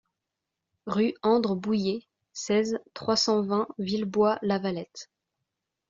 Rue Andre Bouyer, seize, trois cent vingt Villebois-Lavalette